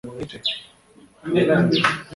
gucunga neza inyandiko zose z’umuryango ;